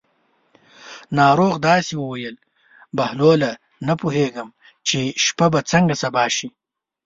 ناروغ داسې وویل: بهلوله نه پوهېږم چې شپه به څنګه سبا شي.